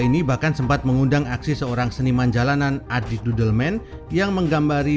ini bahkan sempat mengundang aksi seorang seniman jalanan adik dudelmen yang menggambari